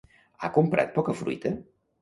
Ha comprat poca fruita?